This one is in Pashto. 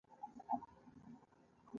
د خلکو باور د بازار شتمني ده.